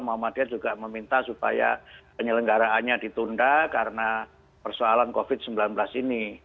muhammadiyah juga meminta supaya penyelenggaraannya ditunda karena persoalan covid sembilan belas ini